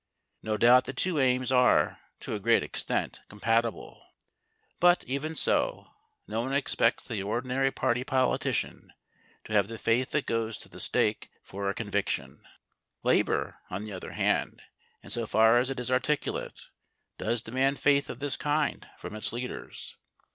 No doubt the two aims are, to a great extent, compatible, but, even so, no one expects the ordinary party politician to have the faith that goes to the stake for a conviction. Labour, on the other hand, in so far as it is articulate, does demand faith of this kind from its leaders.